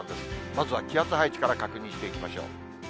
まずは気圧配置から確認していきましょう。